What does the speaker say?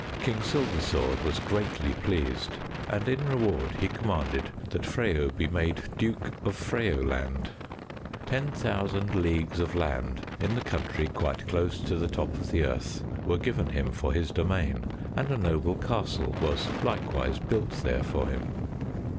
King Silversword was greatly pleased, and in reward he commanded that Freyo be made Duke of Freyoland. Ten thousand leagues of land in the country quite close to the top of the earth were given him for his domain, and a noble castle was likewise built there for him.